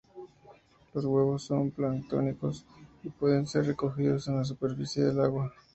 Los huevos son planctónicos y pueden ser recogidos en la superficie del agua.